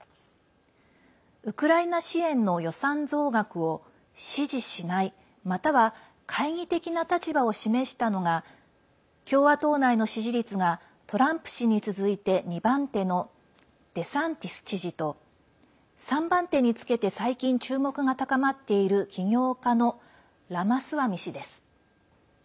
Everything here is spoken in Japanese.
ウクライナ支援の予算増額を支持しないまたは懐疑的な立場を示したのが共和党内の支持率がトランプ氏に続いて２番手のデサンティス知事と３番手につけて最近、注目が高まっている起業家のラマスワミ氏です。